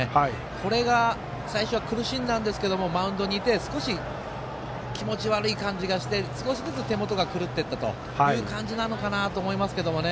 これが最初は苦しんだんですけどマウンドにいて少し気持ち悪い感じがして少しずつ手元が狂っていったという感じなのかなと思いますけどね。